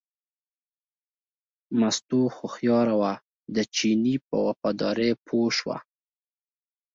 مستو هوښیاره وه، د چیني په وفادارۍ پوه شوه.